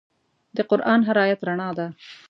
د قرآن هر آیت رڼا ده.